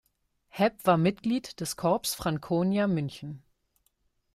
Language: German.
Hepp war Mitglied des Corps Franconia München.